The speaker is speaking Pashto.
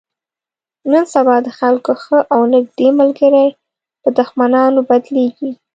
نن سبا د خلکو ښه او نیږدې ملګري په دښمنانو بدلېږي.